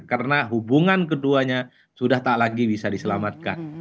karena hubungan keduanya sudah tak lagi bisa diselamatkan